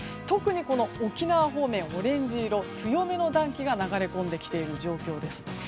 特に沖縄方面、オレンジ色強めの暖気が流れ込んできている状況です。